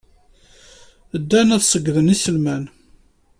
Ddan ad ṣeyyden iselman.